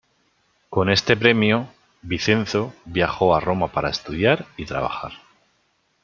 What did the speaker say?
Con este premio, Vicenzo viajó a Roma para estudiar y trabajar.